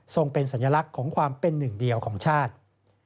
เป็นสัญลักษณ์ของความเป็นหนึ่งเดียวของชาติ